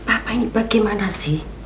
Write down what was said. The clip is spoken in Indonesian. apa rika government lagi